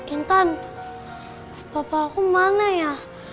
intan bapak aku mana ya